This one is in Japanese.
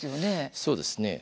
そうですね。